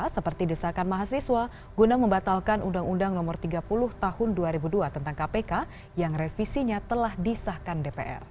seperti desakan mahasiswa guna membatalkan undang undang no tiga puluh tahun dua ribu dua tentang kpk yang revisinya telah disahkan dpr